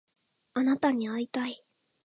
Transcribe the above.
あなたに会いたい